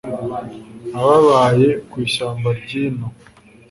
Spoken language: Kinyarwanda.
ababaye kw’ishyamba ry’ino